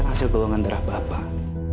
ini kan hasil golongan darah bapak